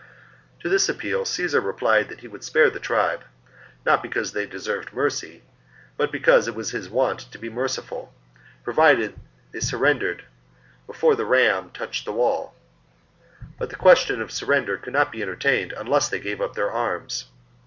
32. To this appeal Caesar replied that he would spare the tribe, not because they deserved mercy, but because it was his wont to be merciful, provided they surrendered before the ram touched the wall ; but the question of surrender could not be entertained unless they gave up their arms.